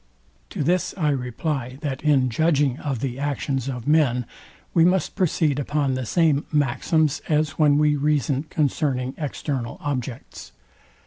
To this I reply, that in judging of the actions of men we must proceed upon the same maxims, as when we reason concerning external objects.